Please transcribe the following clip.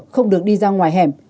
không được đi ra ngoài hẻm